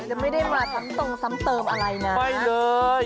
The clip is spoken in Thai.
แต่ไม่ได้มาซ้ำตรงซ้ำเติมอะไรนะนะครับไม่เลย